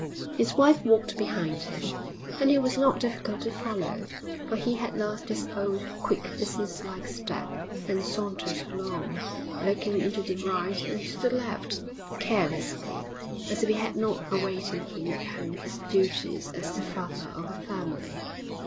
His wife walked behind him; and he was not difficult to follow, for he had lost his old, quick, business like step, and sauntered along, looking to the right and to the left, carelessly, as if he had not awaiting him at home his duties as the father of a family....